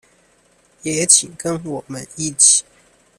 也請跟我們一起